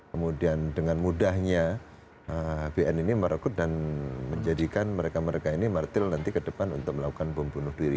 kemudian dengan mudahnya bn ini merekut dan menjadikan mereka mereka ini martir nanti ke depan untuk melakukan bom